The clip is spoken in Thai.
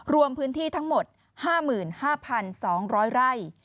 รวมพื้นที่ทั้งหมด๕๕๒๐๐ไร่